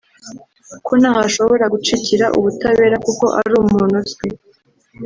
ko ntaho ashobora gucikira ubutabera kuko ari umuntu uzwi